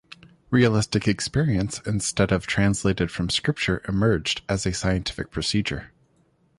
Realistic experience, instead of translated from scripture, emerged as a scientific procedure.